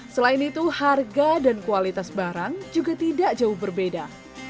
selain itu harga dan kualitas barang juga tidak jauh berbeda